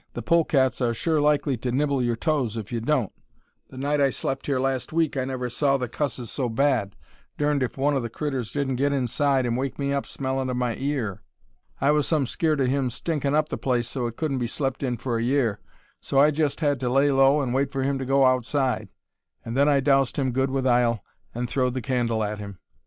"The polecats are sure likely to nibble your toes if you don't. The night I slept here last week I never saw the cusses so bad; durned if one of the critters didn't get inside and wake me up smellin' of my ear. I was some skeered of him stinkin' up the place so it couldn't be slept in for a year, so I jest had to lay low and wait for him to go outside, and then I doused him good with ile and throwed the candle at him.